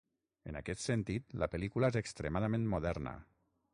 En aquest sentit, la pel·lícula és extremadament moderna.